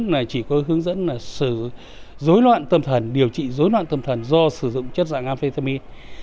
năm hai nghìn một mươi bốn chỉ có hướng dẫn sử dụng dối loạn tâm thần điều trị dối loạn tâm thần do sử dụng chất dạng amphetamine